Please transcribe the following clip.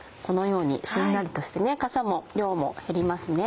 このようにしんなりとしてかさも量も減ります。